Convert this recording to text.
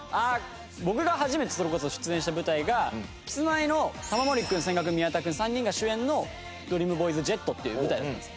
僕が初めてそれこそ出演した舞台がキスマイの玉森君千賀君宮田君３人が主演の『ＤＲＥＡＭＢＯＹＳＪＥＴ』っていう舞台だったんです。